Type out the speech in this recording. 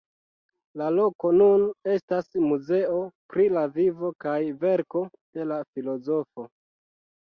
La loko nun estas muzeo pri la vivo kaj verko de la filozofo.